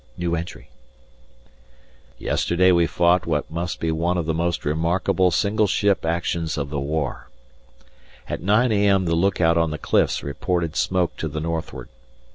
Yesterday we fought what must be one of the most remarkable single ship actions of the war. At 9 a.m. the look out on the cliffs reported smoke to the northward.